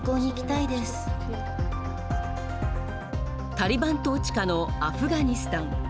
タリバン統治下のアフガニスタン。